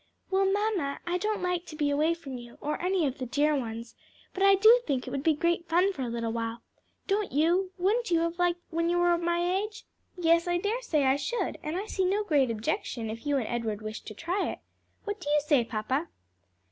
"Well, mamma, I don't like to be away from you, or any of the dear ones, but I do think it would be great fun for a little while. Don't you? wouldn't you have liked it when you were my age?" "Yes, I daresay I should, and I see no great objection, if you and Edward wish to try it. What do you say, papa?"